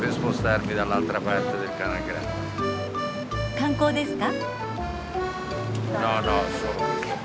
観光ですか？